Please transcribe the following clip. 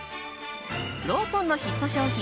ローソンのヒット商品